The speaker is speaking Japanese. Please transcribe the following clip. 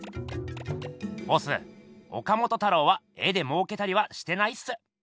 ボス岡本太郎は絵でもうけたりはしてないっす。